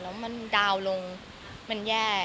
แล้วมันดาวนลงมันแย่